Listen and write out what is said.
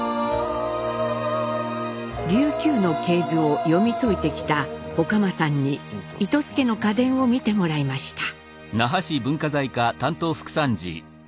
琉球の系図を読み解いてきた外間さんに糸洲家の家伝を見てもらいました。